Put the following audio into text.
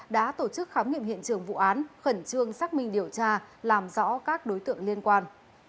đã tổ chức khám nghiệm hiện trường vụ án khẩn trương xác minh điều tra làm rõ các đối tượng liên quan